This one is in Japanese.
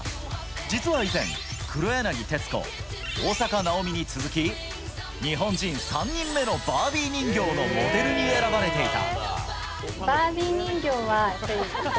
実は以前、黒柳徹子、大坂なおみに続き、日本人３人目のバービー人形のモデルに選ばれていた。